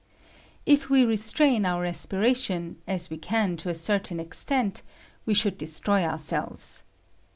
K we restrain our respira tion, as we can to a certain extfict, we ahoold destroy ourselves.